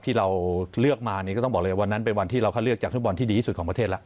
ที่เราเลือกมานี่ก็ต้องบอกเลยวันนั้นเป็นวันที่เราคัดเลือกจากฟุตบอลที่ดีที่สุดของประเทศแล้ว